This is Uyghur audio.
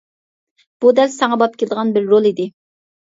بۇ دەل ساڭا باب كېلىدىغان بىر رول-دېدى.